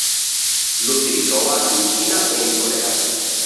Lo si ritrova in Cina e in Corea.